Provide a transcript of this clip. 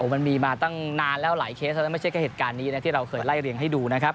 มันมีมาตั้งนานแล้วหลายเคสแล้วไม่ใช่แค่เหตุการณ์นี้นะที่เราเคยไล่เรียงให้ดูนะครับ